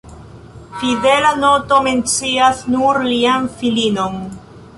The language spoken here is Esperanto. Fidela noto mencias nur lian filinon.